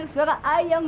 insya allah anda bangga